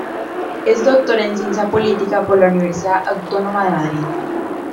Es doctor en Ciencia Política por la Universidad Autónoma de Madrid.